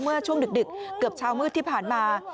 เมื่อช่วงดึกเกือบเช้ามืดที่ผ่านมา